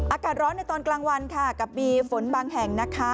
อากาศร้อนในตอนกลางวันค่ะกับมีฝนบางแห่งนะคะ